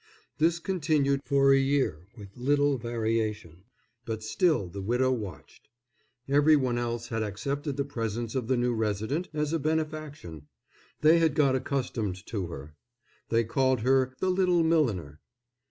This continued for a year with little variation, but still the widow watched. Every one else had accepted the presence of the new resident as a benefaction. They had got accustomed to her. They called her "the little milliner."